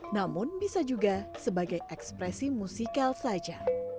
namun bisa juga sebagai ekspresi musikal saja